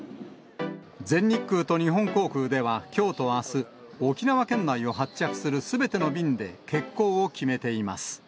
全日空と日本航空では、きょうとあす、沖縄県内を発着するすべての便で、欠航を決めています。